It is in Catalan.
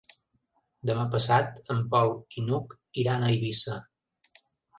Demà passat en Pol i n'Hug iran a Eivissa.